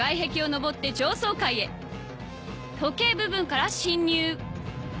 時計部分から侵入